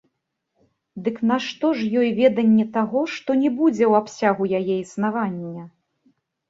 Дык нашто ж ёй веданне таго, што не будзе ў абсягу яе існавання?